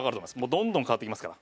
どんどん変わっていきますから。